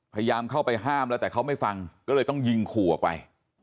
พยายามเข้าไปห้ามแล้วแต่เขาไม่ฟังก็เลยต้องยิงขู่ออกไป